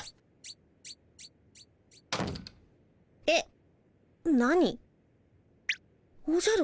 えっ？